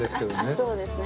そうですね。